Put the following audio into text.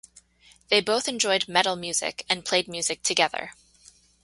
They both enjoyed metal music and played music together.